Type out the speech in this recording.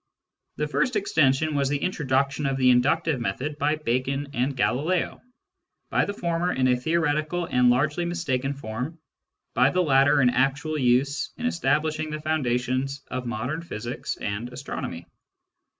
The first extension was the introduction of the inductive method by Bacon and Galileo^by the former in a theoretical and largely mistaken form, by the latter in actual use in establishing the foundations of modern physics and astronomy.